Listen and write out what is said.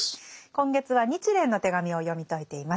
今月は「日蓮の手紙」を読み解いています。